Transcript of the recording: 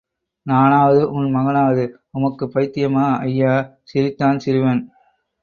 நானாவது உம் மகனாவது.உமக்குப் பைத்தியமா ஐயா? சிரித்தான் சிறுவன்!